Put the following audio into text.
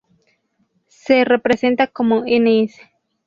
Se representa como ns.